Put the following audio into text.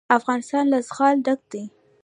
افغانستان له زغال ډک دی.